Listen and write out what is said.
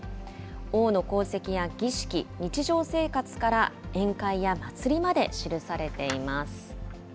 王の功績や儀式、日常生活から宴会や祭りまで記されています。